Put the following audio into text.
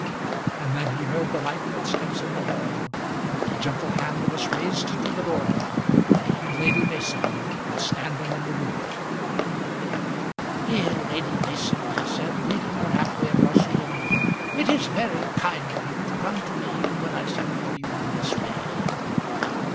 And then he heard the light footsteps in the hall; the gentle hand was raised to the door, and Lady Mason was standing in the room. "Dear Lady Mason," he said, meeting her half way across the room, "it is very kind of you to come to me when I send for you in this way."